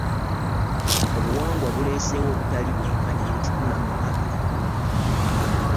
Obuwangwa buleeseewo obutali bwenkanya mu kikula mu Afirika